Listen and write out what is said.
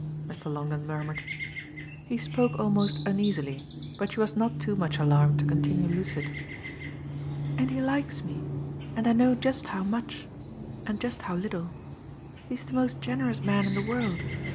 Mr. Longdon murmured. He spoke almost uneasily, but she was not too much alarmed to continue lucid. "And he likes me, and I know just how much and just how little. He's the most generous man in the world.